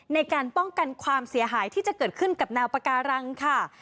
ในการป้องกันความเสียหายที่จะเกิดขึ้นกับแนวปาการังค่ะ